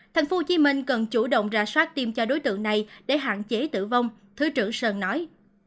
thành phố hồ chí minh cần chủ động ra soát tiêm cho đối tượng này để hạn chế tử vong thứ trưởng sơn nói